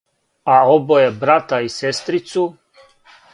А обоје брата и сестрицу,